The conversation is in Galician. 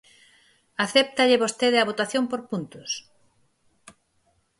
¿Acéptalle vostede a votación por puntos?